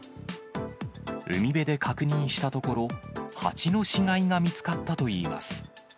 海辺で確認したところ、ハチの死骸が見つかったといいます。